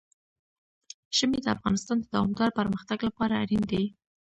ژمی د افغانستان د دوامداره پرمختګ لپاره اړین دي.